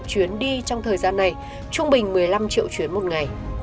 chuyến đi trong thời gian này trung bình một mươi năm triệu chuyến một ngày